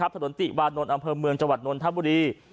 ถนนติกวาณนทรอบถนนอำเภอเมืองจวัดนลธาบุรี